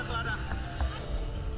ah tuh ada tuh ada